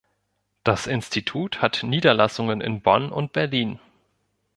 Das Institut hat Niederlassungen in Bonn und Berlin.